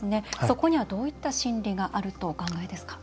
そこにはどういった心理があるとお考えですか？